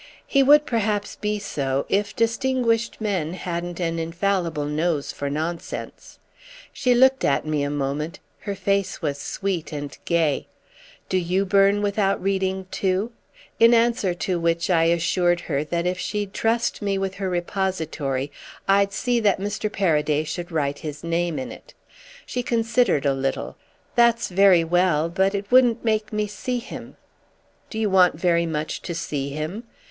"He would perhaps be so if distinguished men hadn't an infallible nose for nonsense." She looked at me a moment—her face was sweet and gay. "Do you burn without reading too?"—in answer to which I assured her that if she'd trust me with her repository I'd see that Mr. Paraday should write his name in it. She considered a little. "That's very well, but it wouldn't make me see him." "Do you want very much to see him?"